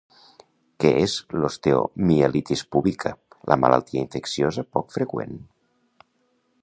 Què és l'osteomielitis púbica, la malaltia infecciosa poc freqüent.